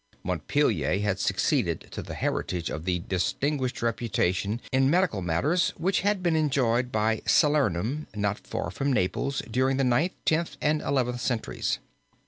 Montpelier had succeeded to the heritage of the distinguished reputation in medical matters which had been enjoyed by Salernum, not far from Naples, during the Ninth, Tenth, and Eleventh centuries.